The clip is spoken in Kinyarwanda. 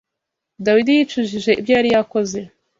Dawidi yicujije ibyo yari yakoze